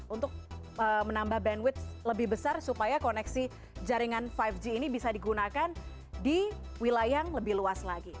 untuk menambah bandwidth lebih besar supaya koneksi jaringan lima g ini bisa digunakan di wilayah yang lebih luas lagi